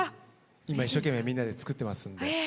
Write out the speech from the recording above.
今一生懸命みんなで作ってますんで。